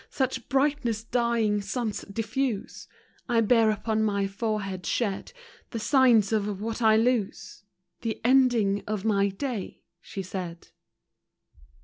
Such brightness dying suns diffuse ! I bear upon my forehead shed, The sign of what I lose, — The ending of my day, she said.